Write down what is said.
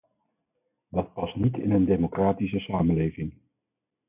Dat past niet in een democratische samenleving.